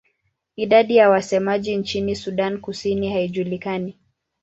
Idadi ya wasemaji nchini Sudan Kusini haijulikani.